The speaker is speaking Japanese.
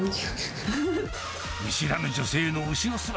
見知らぬ女性の後ろ姿。